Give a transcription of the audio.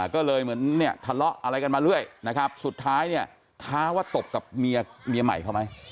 ก็เลยเหมือนเนี่ยทะเลาะอะไรกันมาเรื่อยนะครับสุดท้ายเนี่ยท้าว่าตบกับเมียใหม่เขาไหม